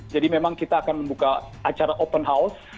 jadi memang kita akan membuka acara open house